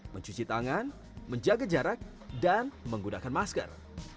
mencuci tangan menjaga jarak dan menggunakan masker